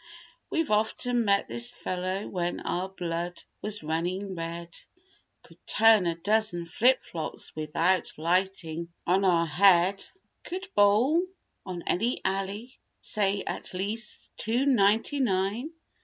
We've often met this fellow when our blood was running red; Could turn a dozen flip flops without lighting on our head; Could bowl, on any alley, say at least two ninety nine.